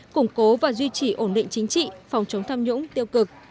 củng cố và duy trì ổn định chính trị phòng chống tham nhũng tiêu cực